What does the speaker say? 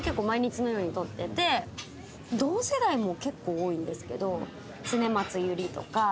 同世代も結構多いんですけど。